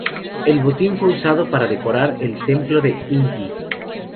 El botín fue usado para decorar el Templo de Inti.